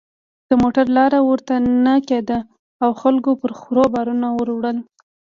د موټر لاره ورته نه کېده او خلکو پر خرو بارونه ور وړل.